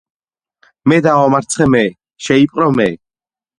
ერთმა მეფემ მეორე დაამარცხა, შეიპყრო